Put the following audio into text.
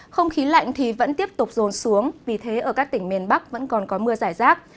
không khí lạnh thì vẫn tiếp tục rồn xuống vì thế ở các tỉnh miền bắc vẫn còn có mưa giải rác